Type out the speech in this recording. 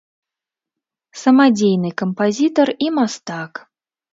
Самадзейны кампазітар і мастак.